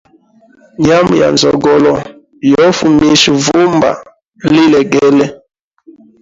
Nyama ya nzogolo yo fumisha vumba lilegele.